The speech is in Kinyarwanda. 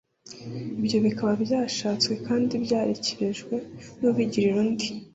ibyo bikaba byashatswe kandi byarekerejwe n'ubigirira undi